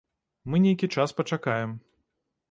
Мы нейкі час пачакаем.